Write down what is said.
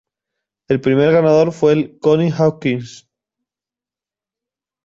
El primer ganador fue el Connie Hawkins.